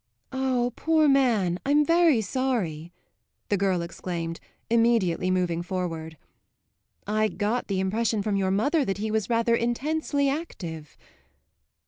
"Ah, poor man, I'm very sorry!" the girl exclaimed, immediately moving forward. "I got the impression from your mother that he was rather intensely active."